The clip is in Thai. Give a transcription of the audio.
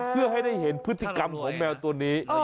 เพื่อให้ได้เห็นพฤติกรรมของแมวตัวนี้